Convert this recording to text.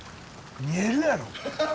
見えるやろ！